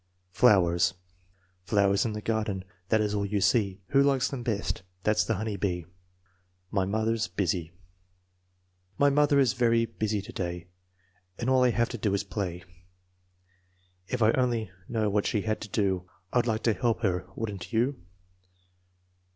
Flowers Flowers in the garden. That is all you see Who likes them best? That's the honey bee. ' My mother 9 s busy My mother is very busy today And all I have to do is play. If I only knew what she had to do I'd like to help her, would n't you?